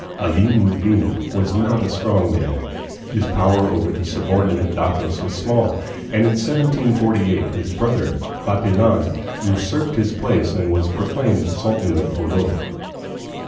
Alim ud Din was not a strong man. His power over the subordinate datos was small, and in 1748 his brother, Bantilan, usurped his place and was proclaimed sultan of Jolo.